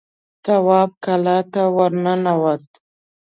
تواب کلا ته ور ننوت.